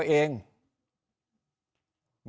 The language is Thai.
แต่พอเจอเรื่องแบบนี้กับตัวเอง